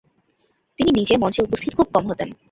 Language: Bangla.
তিনি নিজে মঞ্চে উপস্থিত খুব কম হতেন।